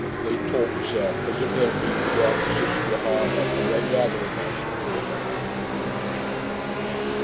They talked, sir, as if they had been to go up the Susquehannah, or any other American river.'